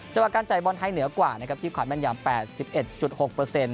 เจ้าการจ่ายบอนไทยเหนือกว่าที่ขวางแม่นยำ๘๑๖